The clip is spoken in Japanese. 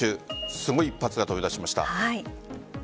すごい一発が飛び出しました。